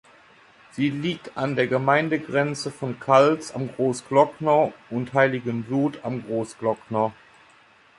Sie liegt an der Gemeindegrenze von Kals am Großglockner und Heiligenblut am Großglockner.